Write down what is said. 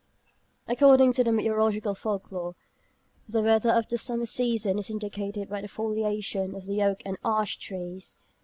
According to the meteorological folk lore, the weather of the summer season is indicated by the foliation of the oak and ash trees.